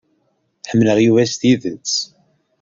Ḥemmleɣ Yuba s tidet.